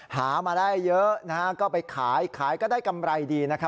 หามาได้เยอะก็ไปขายขายก็ได้กำไรดี